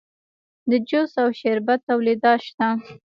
د جوس او شربت تولیدات شته